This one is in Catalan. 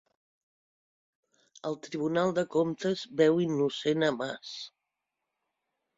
El Tribunal de Comptes veu innocent a Mas